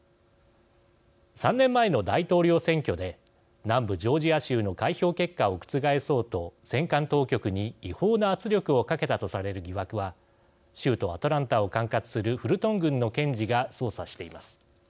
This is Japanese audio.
３年前の大統領選挙で南部ジョージア州の開票結果を覆そうと選管当局に違法な圧力をかけたとされる疑惑は州都アトランタを管轄するフルトン郡の検事が捜査しています。